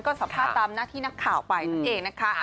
ก็สัมภาษณ์ตามหน้าที่นักข่าวไปนั่นเองนะคะ